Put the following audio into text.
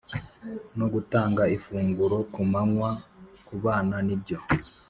No gutanga ifunguro ryo kumanywa ku bana nibyo